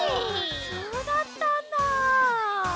そうだったんだ。